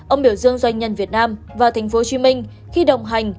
ông biểu dương doanh nhân việt nam và thành phố hồ chí minh khi đồng hành